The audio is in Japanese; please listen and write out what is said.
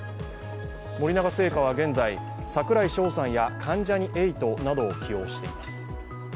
森永製菓は現在、櫻井翔さんや関ジャニ∞などを起用しています。